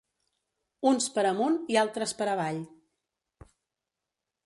Uns per amunt i altres per avall.